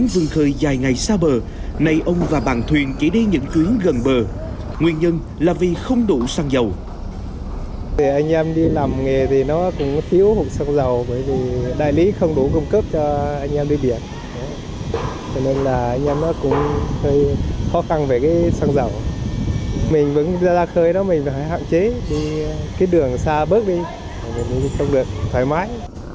đi ra khơi đó mình phải hạn chế đi cái đường xa bớt đi mình không được thoải mái